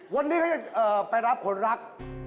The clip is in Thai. วันนี้เขาจะไปรับคนรัก